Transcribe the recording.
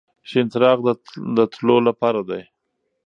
شین څراغ د تلو لپاره دی.